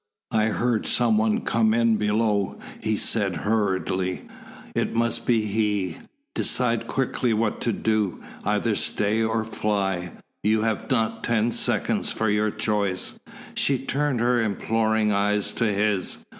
"I heard some one come in below," he said, hurriedly. "It must be he. Decide quickly what to do. Either stay or fly you have not ten seconds for your choice." She turned her imploring eyes to his.